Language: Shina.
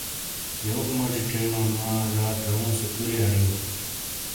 یوک موجی چھینون وا ژا چؤں سی کوری آڈیو ۔